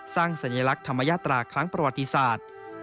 สัญลักษณ์ธรรมยาตราครั้งประวัติศาสตร์